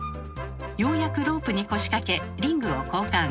ようやくロープに腰掛けリングを交換。